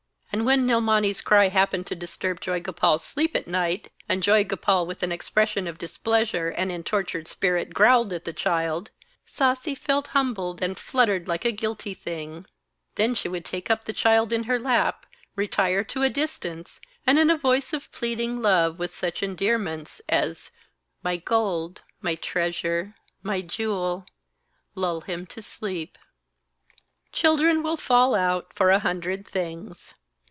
And when Nilmani's cry happened to disturb Joygopal's sleep at night, and Joygopal with an expression of displeasure, and in a tortured spirit, growled at the child, Sasi felt humbled and fluttered like a guilty thing. Then she would take up the child in her lap, retire to a distance, and in a voice of pleading love, with such endearments as 'my gold, my treasure, my jewel,' lull him to sleep. Children will fall out for a hundred things.